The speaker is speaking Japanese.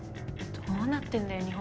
どうなってんだよ日本は。